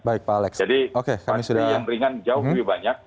jadi pandemi yang ringan jauh lebih banyak